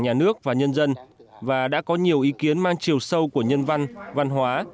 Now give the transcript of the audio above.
nhà nước và nhân dân và đã có nhiều ý kiến mang chiều sâu của nhân văn văn hóa